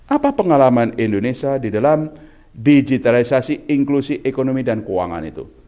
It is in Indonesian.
apa pengalaman indonesia di dalam digitalisasi inklusi ekonomi dan keuangan itu